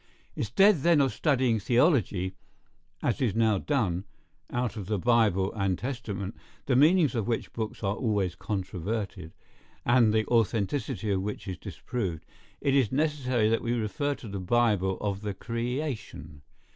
Instead then of studying theology, as is now done, out of the Bible and Testament, the meanings of which books are always controverted, and the authenticity of which is disproved, it is necessary that we refer to the Bible of the creation.